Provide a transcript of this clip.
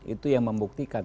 itu yang membuktikan